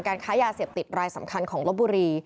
ค้ายาเสพติดรายสำคัญของลบบุรี